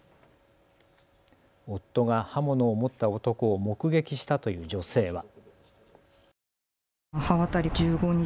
夫が刃物を持った男を目撃したという女性は。